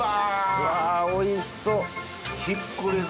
うわおいしそう。